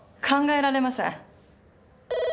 考えられません。